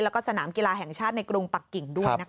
แล้วก็สนามกีฬาแห่งชาติในกรุงปักกิ่งด้วย